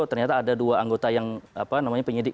ternyata ada dua anggota yang penyidik